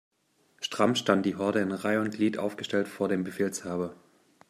Stramm stand die Horde in Reih' und Glied aufgestellt vor dem Befehlshaber.